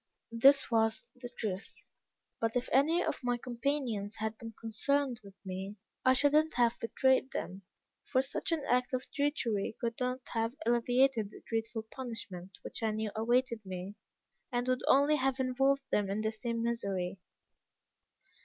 This was the truth; but if any of my companions had been concerned with me, I should not have betrayed them; for such an act of treachery could not have alleviated the dreadful punishment which I knew awaited me, and would only have involved them in the same misery.